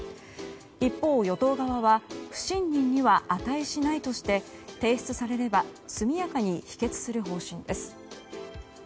一方、与党側は不信任には値しないとして提出されれば速やかに否決する方針です。